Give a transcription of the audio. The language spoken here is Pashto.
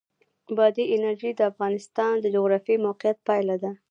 بادي انرژي د افغانستان د جغرافیایي موقیعت پایله ده.